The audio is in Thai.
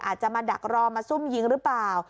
อาจจะมาดักรอมาซุ่มยิงหรือเปล่า